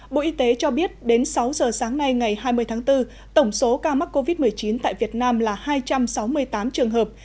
bộ y tế cho biết đến sáu giờ sáng nay ngày hai mươi tháng bốn tổng số ca mắc covid một mươi chín tại việt nam là hai trăm sáu mươi tám trường hợp